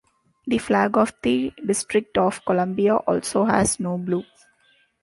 The flag of the District of Columbia also has no blue.